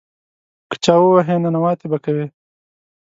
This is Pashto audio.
که چا ووهې، ننواتې به کوې.